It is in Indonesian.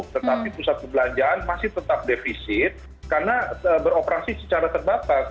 tetapi pusat perbelanjaan masih tetap defisit karena beroperasi secara terbatas